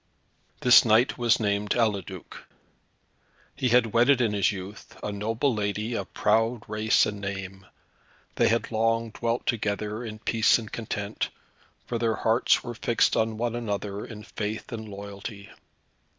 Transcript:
This knight was named Eliduc. He had wedded in his youth a noble lady of proud race and name. They had long dwelt together in peace and content, for their hearts were fixed on one another in faith and loyalty.